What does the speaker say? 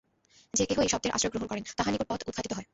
যে কেহ এই শব্দের আশ্রয় গ্রহণ করেন, তাঁহার নিকট পথ উদ্ঘাটিত হয়।